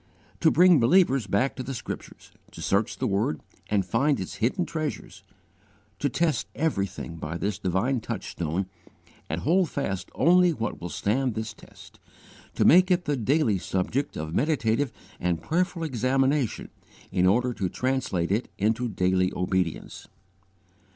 To bring believers back to the Scriptures, to search the Word and find its hidden treasures; to test everything by this divine touchstone and hold fast only what will stand this test; to make it the daily subject of meditative and prayerful examination in order to translate it into daily obedience.